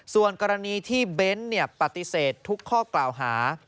ส่วนกรณีที่เบ้นปฏิเสธทุกข้อกล่าวหา